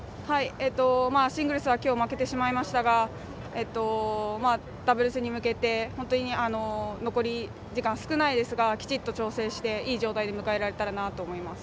シングルスはきょう、負けてしまいましたがダブルスに向けて残り時間少ないですがきちっと調整していい状態で迎えられたらなと思います。